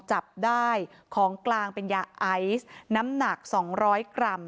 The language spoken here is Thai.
จับได้ของกลางเป็นยาไอซ์น้ำหนัก๒๐๐กรัม